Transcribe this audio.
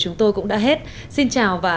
nhưng tối đa không quá ba lần